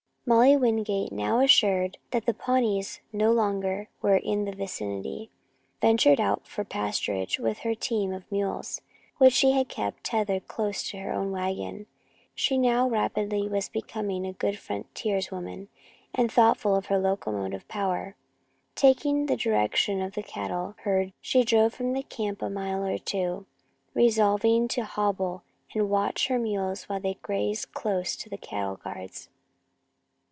Molly Wingate, now assured that the Pawnees no longer were in the vicinity, ventured out for pasturage with her team of mules, which she had kept tethered close to her own wagon. She now rapidly was becoming a good frontierswoman and thoughtful of her locomotive power. Taking the direction of the cattle herd, she drove from camp a mile or two, resolving to hobble and watch her mules while they grazed close to the cattle guards.